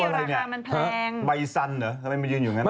ตัวอะไรนี่ใบสันเหรอทำไมมันยืนอยู่อย่างนั้นนะ